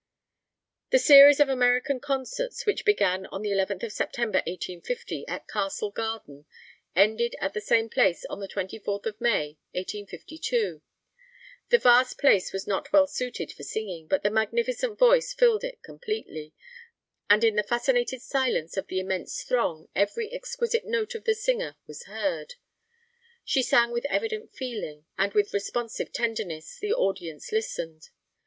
The series of American concerts which began on the 11th of September, 1850, at Castle Garden ended at the same place on the 24th of May, 1852. The vast space was not well suited for singing, but the magnificent voice filled it completely, and in the fascinated silence of the immense throng every exquisite note of the singer was heard. She sang with evident feeling, and with responsive tenderness the audience listened.